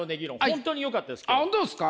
本当によかったです今日は。